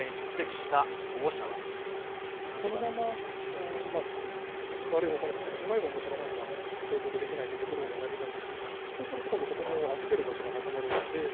このまま悪い方向に進んでしまえば、もちろん園が継続できないということにもなりますし、そうすると、今度、子どもを預ける場所がなくなるので。